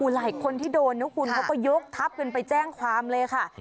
หลายคนที่โดนนะคุณเขาก็ยกทับกันไปแจ้งความเลยค่ะ